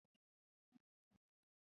月台上设有候车椅及遮雨棚。